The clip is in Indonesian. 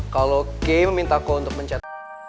kalau kek meminta aku untuk mencet